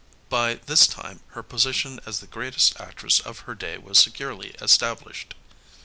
By this time her position as the greatest actress of her day was securely established.